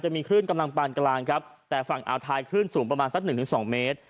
มีคลื่นกำลังปานกลางครับแต่ฝั่งอ่าวไทยคลื่นสูงประมาณสักหนึ่งถึงสองเมตร